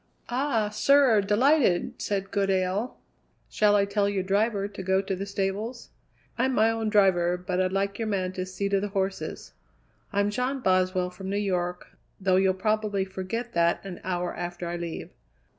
"Ah, sir, delighted," said Goodale. "Shall I tell your driver to go to the stables?" "I'm my own driver, but I'd like your man to see to the horses. I'm John Boswell from New York, though you'll probably forget that an hour after I leave."